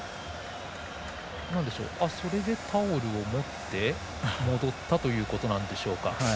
それでタオルを持って戻ったということなんでしょうか。